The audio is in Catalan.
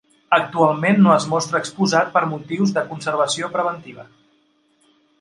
Actualment no es mostra exposat per motius de conservació preventiva.